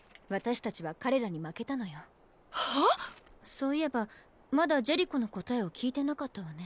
そういえばまだジェリコの答えを聞いてなかったわね。